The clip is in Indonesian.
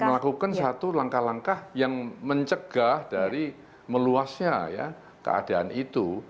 melakukan satu langkah langkah yang mencegah dari meluasnya ya keadaan itu